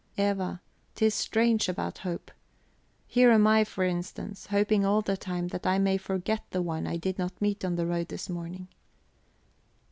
Eva, 'tis strange about hope. Here am I, for instance, hoping all the time that I may forget the one I did not meet on the road this morning..."